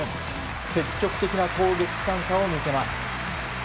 積極的な攻撃参加を見せます。